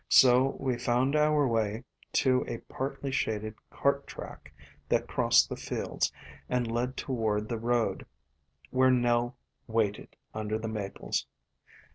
So we found our way to a partly shaded cart track, that crossed the fields and led toward the road where Nell waited under the Maples.